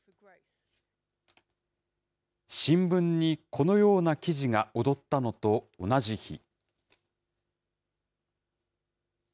新聞にこのような記事が躍ったのと同じ日。